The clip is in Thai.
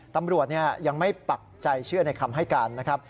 ตำรวจยังไม่ปักใจเชื่อในคำให้การนะครับ